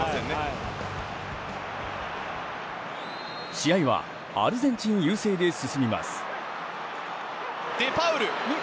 試合はアルゼンチン優勢で進みます。